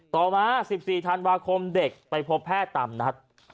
ต่อมา๑๔ธันวาคมเด็กไปพบแพทย์ตามนัด